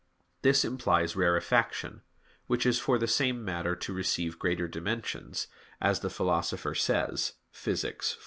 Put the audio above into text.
This implies rarefaction, which is for the same matter to receive greater dimensions, as the Philosopher says (Phys.